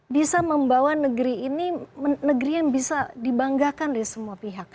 bisa membawa negeri ini negeri yang bisa dibanggakan dari semua pihak